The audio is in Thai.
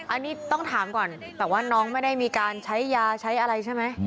อันนี้ต้องถามก่อนแต่ว่าน้องไม่ได้มีการใช้ยาใช้อะไรใช่ไหม